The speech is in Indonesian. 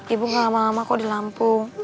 ibu nggak lama lama kok di lampung